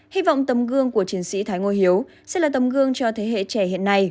hy vọng tầm gương của chiến sĩ thái ngô hiếu sẽ là tấm gương cho thế hệ trẻ hiện nay